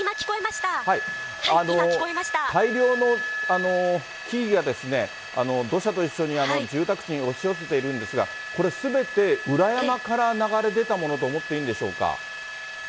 大量の木々が土砂と一緒に住宅地に押し寄せているんですが、これ、すべて裏山から流れ出たものと思っていいんでしょうか。